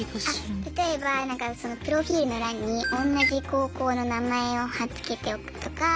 例えばプロフィールの欄に同じ高校の名前を貼っつけておくとか